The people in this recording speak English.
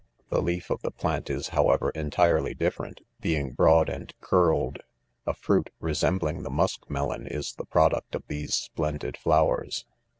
The leaf of the plant is, however, entirely different, being broad and curled. 'A fruit, re 3 sembling the musk melon, is the product of these splen^ did flowers.